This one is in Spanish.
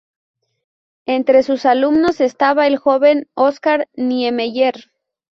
Entre sus alumnos estaba el joven Oscar Niemeyer.